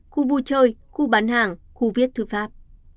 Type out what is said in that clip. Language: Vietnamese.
khu vui chơi khu bán hàng khu viết thư pháp